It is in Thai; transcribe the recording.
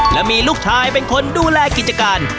และมีลูกชายเป็นคนดูแลกิจการ